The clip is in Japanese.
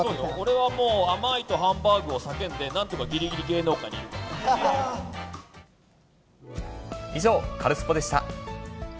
俺はもうあまーいとハンバーグを叫んでなんとかぎりぎり芸能以上、カルスポっ！でした。